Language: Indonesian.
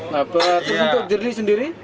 laper terus untuk diri sendiri